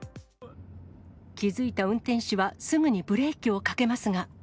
気づいた運転手はすぐにブレーキをかけますが。